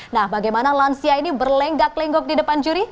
nah bagaimana lansia ini berlenggak lenggok di depan juri